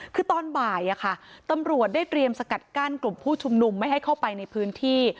คือตอนบ่ายตำรวจได้เตรียมสกัดกั้นกลุ่มผู้ชุมนุมไม่ให้เข้าไปในพื้นที่